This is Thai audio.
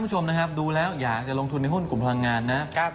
ขาดบุหรองดูแล้วอยากจะลงทุนในหุ้นกลุ่มพลังงานนะครับ